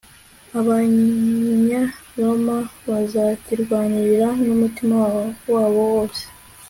abanyaroma bazakirwanirira n'umutima wabo wose